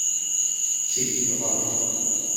Sì, lo farò.